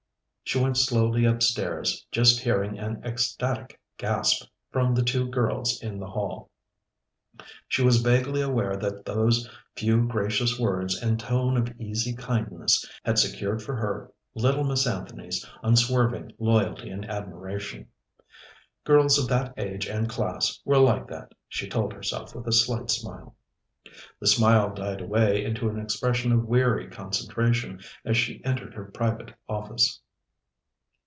She went slowly upstairs, just hearing an ecstatic gasp from the two girls in the hall. She was vaguely aware that those few gracious words and tone of easy kindness had secured for her little Miss Anthony's unswerving loyalty and admiration. Girls of that age and class were like that, she told herself with a slight smile. The smile died away into an expression of weary concentration as she entered her private office.